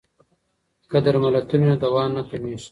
که درملتون وي نو دوا نه کمیږي.